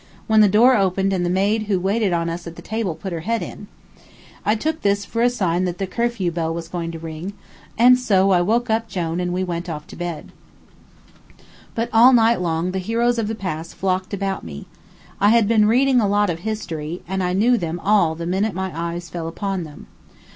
when the door opened and the maid who waited on us at the table put her head in. I took this for a sign that the curfew bell was going to ring, and so I woke up Jone and we went to bed. But all night long the heroes of the past flocked about me. I had been reading a lot of history, and I knew them all the minute my eyes fell upon them.